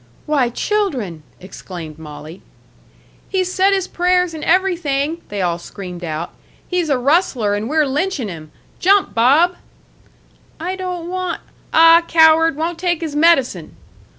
"Why, children!" exclaimed Molly. "He's said his prayers and everything," they all screamed out. "He's a rustler, and we're lynchin' him. Jump, Bob!" "I don't want " "Ah, coward, won't take his medicine!"